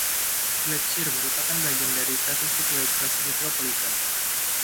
Blackshear merupakan bagian dari Area Statistik Waycross Micropolitan.